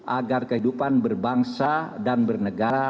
agar kehidupan berbangsa dan bernegara